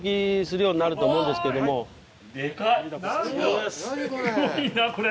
すごいなこれ。